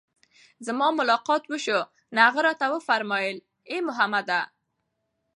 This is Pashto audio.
زما ملاقات وشو، نو هغه راته وفرمايل: اې محمد!